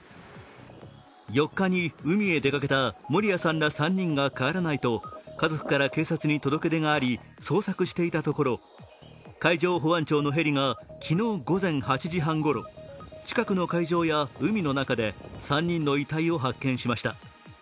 ４日に海へ出かけた森谷さんら３人が帰らないと家族から警察に届け出があり、捜索していたところ、海上保安庁のヘリが昨日午前８時半ごろ、近くの海上や海の中で３人の遺体を発見しました。